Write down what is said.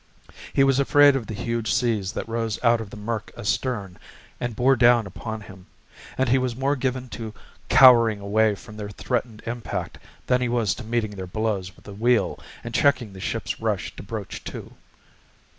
He was afraid of the huge seas that rose out of the murk astern and bore down upon him, and he was more given to cowering away from their threatened impact than he was to meeting their blows with the wheel and checking the ship's rush to broach to.